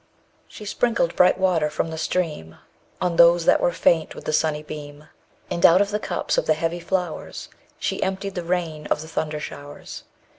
She sprinkled bright water from the stream On those that were faint with the sunny beam; And out of the cups of the heavy flowers _35 She emptied the rain of the thunder showers.